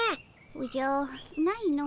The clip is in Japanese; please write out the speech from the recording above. おじゃないの。